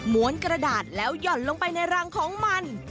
้วนกระดาษแล้วหย่อนลงไปในรังของมัน